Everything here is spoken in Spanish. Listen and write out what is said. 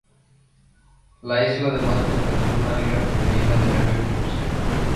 La Isla además cuenta con una Liga Femenina de nueve clubes.